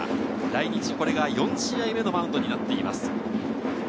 来日４試合目のマウンドになっています。